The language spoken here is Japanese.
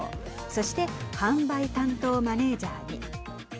そして販売担当マネージャーに。